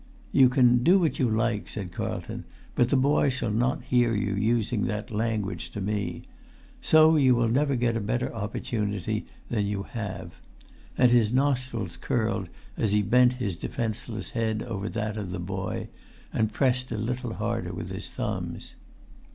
"You can do what you like," said Carlton; "but the boy shall not hear you using that language to me. So you will never get a better opportunity than you have." And his nostrils curled as he bent his defenceless head over that of the boy, and pressed a little harder with his thumbs.